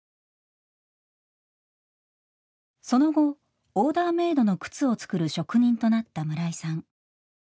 その後オーダーメイドの靴を作る職人となった村井さん。